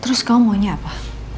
terus kamu maunya apa